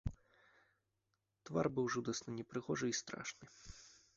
Твар быў жудасна непрыгожы і страшны.